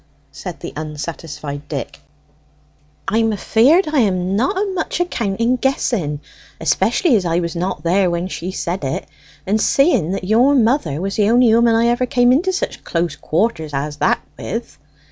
said the unsatisfied Dick. "I'm afeard I am not o' much account in guessing, especially as I was not there when she said it, and seeing that your mother was the only 'ooman I ever cam' into such close quarters as that with."